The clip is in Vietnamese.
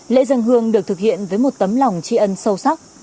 lễ dân hương được thực hiện với một tấm lòng tri ân sâu sắc